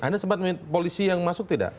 anda sempat menyebut polisi yang masuk tidak